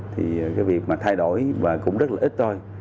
thì cái việc mà thay đổi và cũng rất là ít thôi